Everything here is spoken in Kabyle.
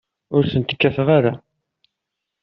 Ur tent-kkateɣ ara.